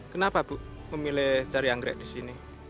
kenapa bu memilih cari anggrek di sini